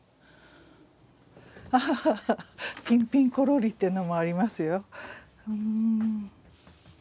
ああ「ピンピンコロリ」っていうのもありますよ。